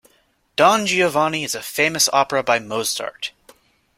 Don Giovanni is a famous opera by Mozart